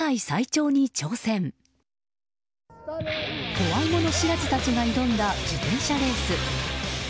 怖いもの知らずたちが挑んだ自転車レース。